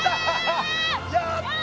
やった！